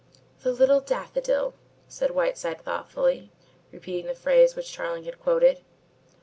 "The Little Daffodil!" said Whiteside thoughtfully, repeating the phrase which Tarling had quoted.